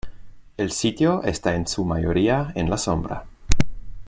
El sitio está en su mayoría en la sombra.